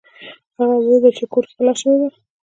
هغه ولیدل چې کور کې غلا شوې ده.